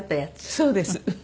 そうです。